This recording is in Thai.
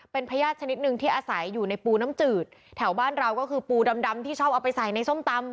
เป็นพญาติชนิดหนึ่งที่อาศัยอยู่ในปูน้ำจืดแถวบ้านเราก็คือปูดำที่ชอบเอาไปใส่ในส้มตำ